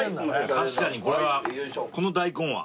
確かにこれはこの大根はドリンク。